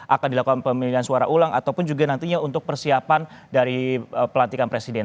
akan dilakukan pemilihan suara ulang ataupun juga nantinya untuk persiapan dari pelantikan presiden